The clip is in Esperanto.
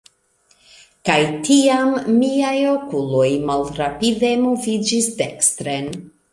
kaj tiam miaj okuloj malrapide moviĝis dekstren